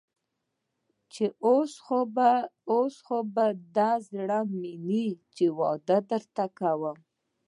چې اوس خو به دې زړه مني چې واده درته کوم.